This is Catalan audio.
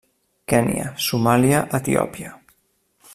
Kenya, Somàlia i Etiòpia.